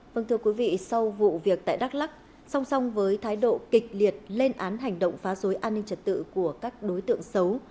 vâng thưa quý vị sau vụ việc tại đắk lắc song song với thái độ kịch liệt lên án hành động phá rối an ninh trật tự của các đối tượng xấu